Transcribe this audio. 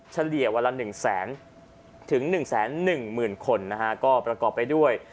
เฉลี่ยวันละ๑แสนถึง๑๑๐๐๐คนนะฮะก็ประกอบไปด้วย